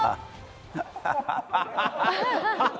ハハハハ！